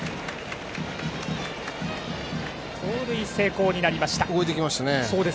盗塁成功になりました。